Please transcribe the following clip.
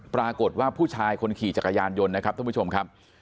ปรากฏว่าผู้ชายคนขี่จักรยานยนต์นะครับท่านผู้ชมครับ